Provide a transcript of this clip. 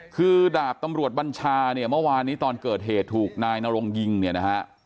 คือดาบตำรวจบัญชาเนี่ยเมื่อวานนี้ตอนเกิดเหตุถูกนายนรงยิงเนี่ยนะฮะ